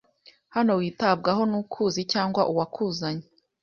hano witabwaho nukuzi cyangwa uwakuzanye